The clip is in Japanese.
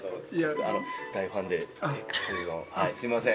あのすいません